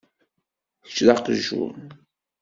Kečč d aqjun.